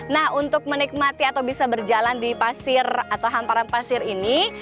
nah untuk menikmati atau bisa berjalan di pasir atau hamparan pasir ini